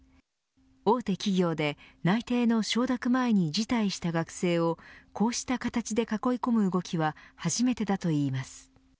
大手企業で、内定の承諾前に辞退した学生をこうした形で囲い込む動きは初めてだといいます。